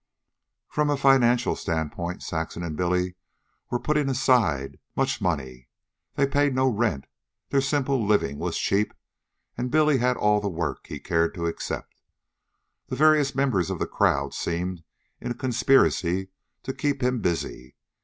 From a financial standpoint, Saxon and Billy were putting aside much money. They paid no rent, their simple living was cheap, and Billy had all the work he cared to accept. The various members of the crowd seemed in a conspiracy to keep him busy.